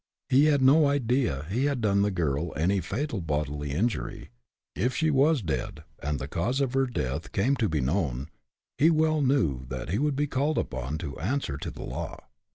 He had no idea he had done the girl any fatal bodily injury. If she was dead, and the cause of her death came to be known, he well knew that he would be called upon to answer to the law.